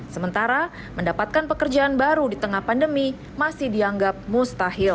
sementara mendapatkan pekerjaan baru di tengah pandemi masih dianggap mustahil